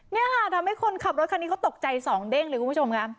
นี่ค่ะทำให้คนขับรถคันนี้เขาตกใจสองเด้งเลยคุณผู้ชมค่ะ